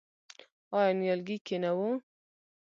آیا نیالګی کینوو؟